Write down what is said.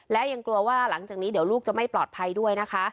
และยังกลัวว่าหลังจากนี้เดี๋ยวลูกจะไม่ปลอดภัยด้วยนะคะ